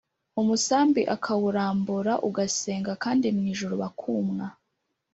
Umusambi akawurambura ugasenga kandi mu ijuru bakumwa